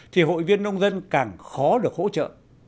thì hội viên nông dân càng khó được hỗ trợ